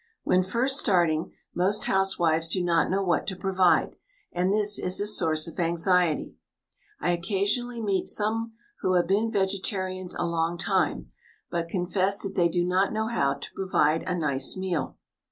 When first starting, most housewives do not know what to provide, and this is a source of anxiety. I occasionally meet some who have been vegetarians a long time, but confess that they do not know how to provide a nice meal.